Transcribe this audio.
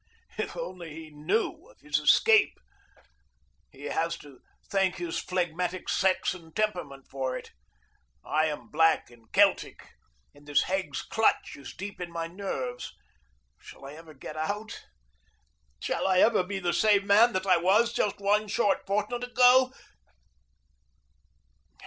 Oh, if he only knew his escape! He has to thank his phlegmatic Saxon temperament for it. I am black and Celtic, and this hag's clutch is deep in my nerves. Shall I ever get it out? Shall I ever be the same man that I was just one short fortnight ago?